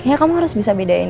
ya kamu harus bisa bedain